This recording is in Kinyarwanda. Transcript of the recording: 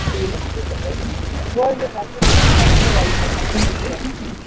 Bombi nta soni bagira kuko bayifata nk’umuco